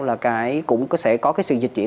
là cũng sẽ có cái sự dịch chuyển